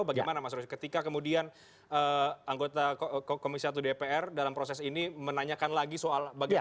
bagaimana mas roy ketika kemudian anggota komisi satu dpr dalam proses ini menanyakan lagi soal bagaimana